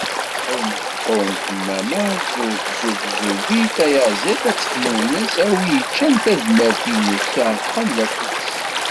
Ḥum ḥum, Ḥemmama. Zub zub, Zubid. Tayaziḍt ad texnunes, a wi ččan tadmert-ines, s uɛeqqa n berkukes.